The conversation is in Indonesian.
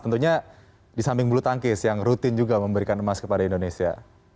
tentunya di samping bulu tangkis yang rutin juga memberikan emas kepada indonesia